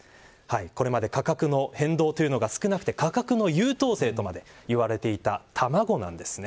これまで価格の変動というのが少なくて価格の優等生とまでいわれていた卵なんです。